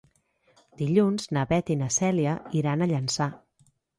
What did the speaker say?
Dilluns na Beth i na Cèlia iran a Llançà.